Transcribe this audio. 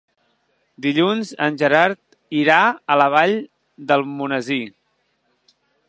Dilluns en Gerard irà a la Vall d'Almonesir.